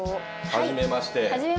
はじめまして。